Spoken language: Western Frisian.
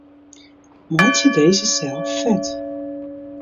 Meitsje dizze sel fet.